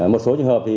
một số trường hợp